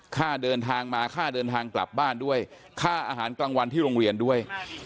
ค่าเดินทางมาค่าเดินทางกลับบ้านด้วยค่าอาหารกลางวันที่โรงเรียนด้วย